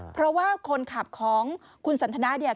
เพราะว่าคนขับของคุณสันทนาเนี่ย